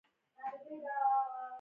د سوداګرو تېښته بنده شوې؟